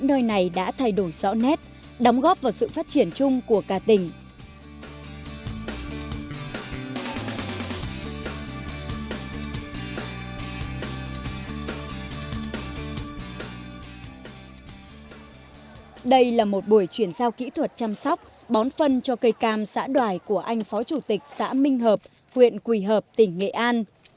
đây là một buổi chuyển giao kỹ thuật chăm sóc bón phân cho cây cam xã đoài của anh phó chủ tịch xã minh hợp huyện quỳ hợp tỉnh nghệ an